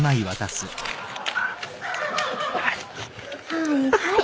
はいはい。